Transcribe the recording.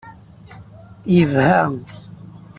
Yebha.